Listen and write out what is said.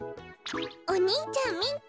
お兄ちゃんみっけ！